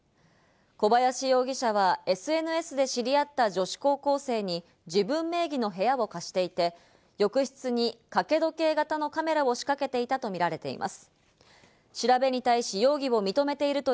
小林容疑者はＳＮＳで知り合った女子高校生に自分名義の部屋を貸していて、浴室に掛け時計型のカメラを仕掛けていたとみられています。